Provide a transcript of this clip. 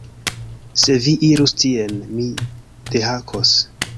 Se vi irus tien, mi dehakos